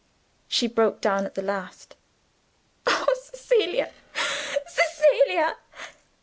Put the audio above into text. She broke down at last. "Oh, Cecilia! Cecilia!